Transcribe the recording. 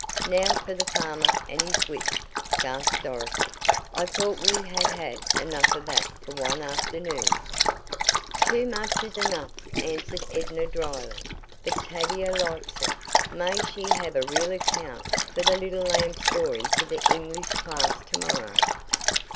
"Now for the farmer and his whip!" gasped Dorothy. "I thought we had had enough of that for one afternoon!" "Too much is enough," answered Edna dryly, "but Tavia likes it. May she have a real account of the little lamb story for the English class to morrow."